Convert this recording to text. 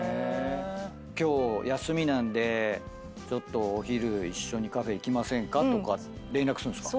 今日休みなんでお昼一緒にカフェ行きませんか？とか連絡するんですか？